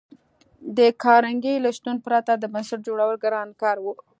د کارنګي له شتون پرته د بنسټ جوړول ګران کار و